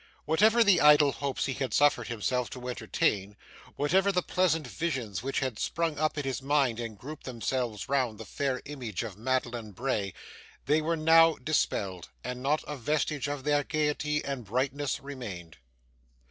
Whatever the idle hopes he had suffered himself to entertain, whatever the pleasant visions which had sprung up in his mind and grouped themselves round the fair image of Madeline Bray, they were now dispelled, and not a vestige of their gaiety and brightness remained.